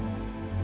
ya pak adrian